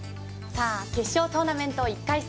決勝トーナメント１回戦